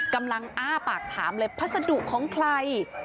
อ้าปากถามเลยพัสดุของใคร